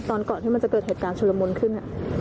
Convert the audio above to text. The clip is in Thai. ตอนก่อนที่จะเกิดเหตุการณ์ชุลมนต์ขึ้น